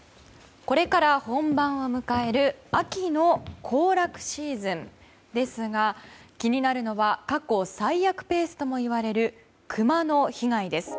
これから本番を迎える秋の行楽シーズンですが気になるのは過去最悪ペースともいわれるクマの被害です。